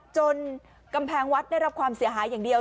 กำแพงวัดได้รับความเสียหายอย่างเดียว